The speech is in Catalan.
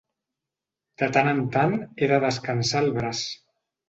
De tant en tant he de descansar el braç.